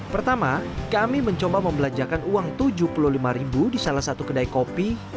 pertama kami mencoba membelanjakan uang rp tujuh puluh lima ribu di salah satu kedai kopi